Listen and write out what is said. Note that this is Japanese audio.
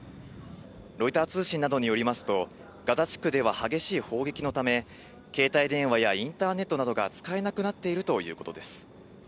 ロイター通信などによりますと、ガザ地区では激しい砲撃のため、携帯電話やインターネットなどが使えなくなっているということです。